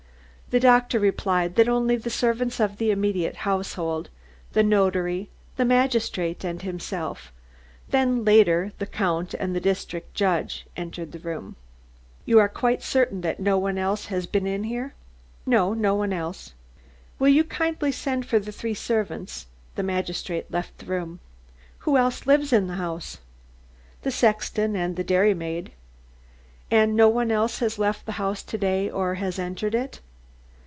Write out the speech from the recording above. The doctor replied that only the servants of the immediate household, the notary, the magistrate, and himself, then later the Count and the district judge entered the room. "You are quite certain that no one else has been in here?" "No, no one else." "Will you kindly send for the three servants?" The magistrate left the room. "Who else lives in the house?" "The sexton and the dairymaid." "And no one else has left the house to day or has entered it?"